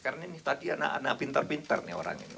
karena ini tadi anak anak pintar pintar nih orang ini